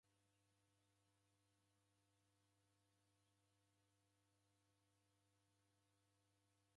Vilongozi w'a ikanisa w'azerie w'andu wiendelie kukusaghika kwa Mlungu.